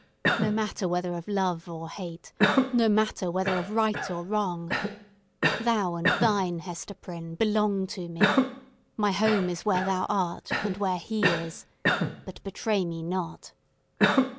No matter whether of love or hate: no matter whether of right or wrong! Thou and thine, Hester Prynne, belong to me. My home is where thou art and where he is. But betray me not!"